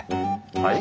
はい？